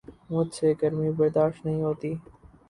مجھ سے گرمی برداشت نہیں ہوتی